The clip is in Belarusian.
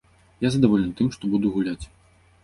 Я задаволены тым, што буду гуляць.